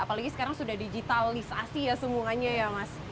apalagi sekarang sudah digitalisasi ya semuanya ya mas